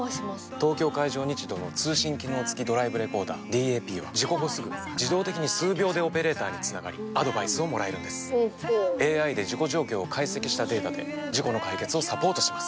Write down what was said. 東京海上日動の通信機能付きドライブレコーダーＤＡＰは事故後すぐ自動的に数秒でオペレーターにつながりアドバイスをもらえるんですＡＩで事故状況を解析したデータで事故の解決をサポートします